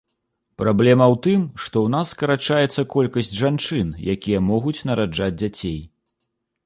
Праблема ў тым, што ў нас скарачаецца колькасць жанчын, якія могуць нараджаць дзяцей.